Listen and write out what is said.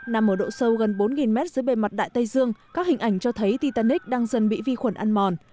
nằm ở độ sâu gần bốn mét dưới bề mặt đại tây dương các hình ảnh cho thấy titanic đang dần bị vi khuẩn ăn mòn